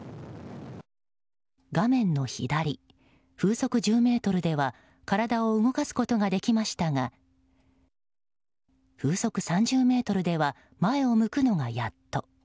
画面の左、風速１０メートルでは体を動かすことができましたが風速３０メートルでは前を向くのがやっと。